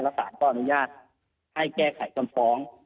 แล้วศาลก็อนุญาตให้แก้ไขกันฟ้อง